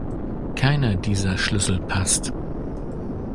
Keiner dieser Schlüssel passt.